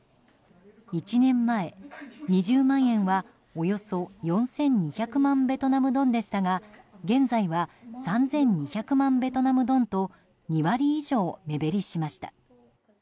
１年前、２０万円はおよそ４２００万ベトナムドンでしたが現在は３２００万ベトナムドンと２割以上目減りしました。